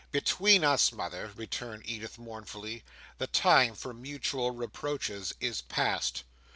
"Between us, mother," returned Edith, mournfully, "the time for mutual reproaches is past."